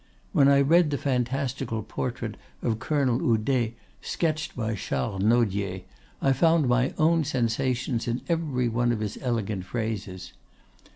When I read the fantastical portrait of Colonel Oudet sketched by Charles Nodier, I found my own sensations in every one of his elegant phrases.